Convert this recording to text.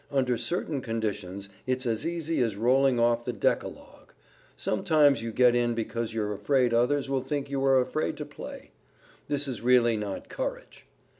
Under certain conditions it's as easy as rolling off the decalogue. Sometimes you get in because you're afraid others will think you are afraid to play. This is really not courage.